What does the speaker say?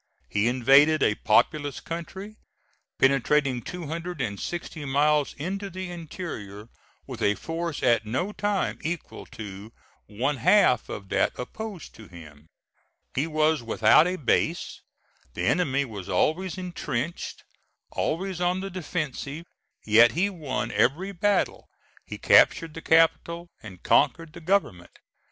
He invaded a populous country, penetrating two hundred and sixty miles into the interior, with a force at no time equal to one half of that opposed to him; he was without a base; the enemy was always intrenched, always on the defensive; yet he won every battle, he captured the capital, and conquered the government.